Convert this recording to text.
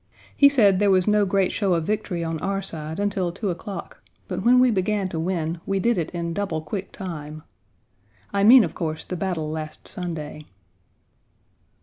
He said there was no great show of victory on our side until two o'clock, but when we began to win, we did it in double quick time. I mean, of course, the battle last Sunday.